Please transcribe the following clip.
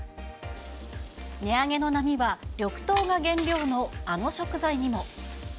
値上げの波は緑豆が原料のあの食材にも。